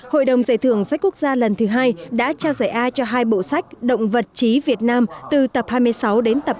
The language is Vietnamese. hội đồng giải thưởng sách quốc gia lần thứ hai đã trao giải ai cho hai bộ sách động vật trí việt nam từ tập hai mươi sáu đến tập ba mươi một